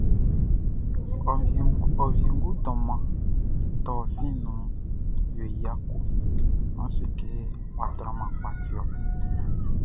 Ô Wiégoun Mʼdôman Torh Siʼn nouh, yo y yako...Nan sékê, wa tranman pka tiorh.